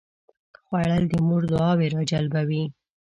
خوړل د مور دعاوې راجلبوي